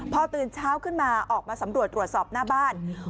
พอตื่นเช้าขึ้นมาออกมาสำรวจตรวจสอบหน้าบ้าน